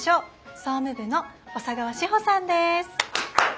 総務部の小佐川志穂さんです。